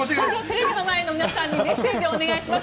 テレビの前の皆さんにメッセージをお願いします。